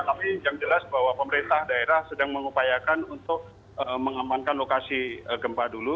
tapi yang jelas bahwa pemerintah daerah sedang mengupayakan untuk mengamankan lokasi gempa dulu